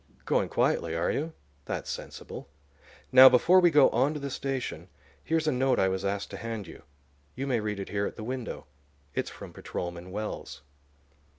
Going quietly, are you? That's sensible. Now, before we go on to the station here's a note I was asked to hand you. You may read it here at the window. It's from Patrolman Wells."